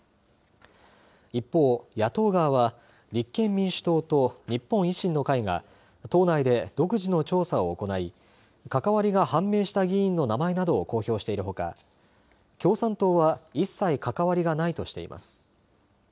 一方、野党側は立憲民主党と日本維新の会が党内で独自の調査を行い関わりが判明した議員の名前などを公表しているほか共産党は一切関わりがないとしています。